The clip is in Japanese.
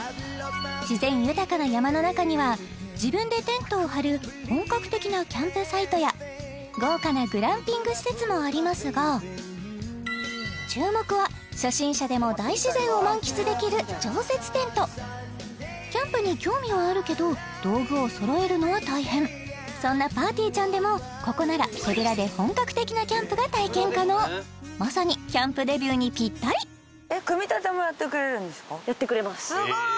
自然豊かな山の中には自分でテントを張る本格的なキャンプサイトや豪華なグランピング施設もありますが注目は初心者でも大自然を満喫できる常設テントキャンプに興味はあるけど道具をそろえるのは大変そんなぱーてぃーちゃんでもここなら手ぶらで本格的なキャンプが体験可能まさにキャンプデビューにぴったりすごーい！